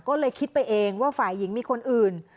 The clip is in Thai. ก็เลยคิดไปเองว่าฝ่ายหญิงมีคนอื่น